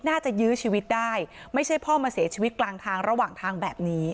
ยื้อชีวิตได้ไม่ใช่พ่อมาเสียชีวิตกลางทางระหว่างทางแบบนี้